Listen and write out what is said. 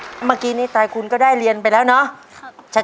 เมื่อกี้นี้ไตรคุณก็ได้เรียนไปแล้วเนาะ